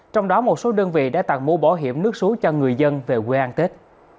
trong đó một số đơn vị đã tặng mô bỏ hiểm nước số cho người dân về quê ăn tết